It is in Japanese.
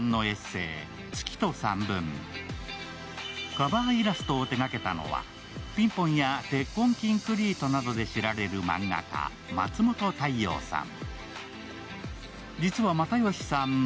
カバーイラストを手がけたのは「ピンポン」や「鉄コン筋クリート」などで知られる漫画家、松本大洋さん。